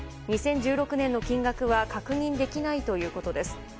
２０１６年の金額は確認できないということです。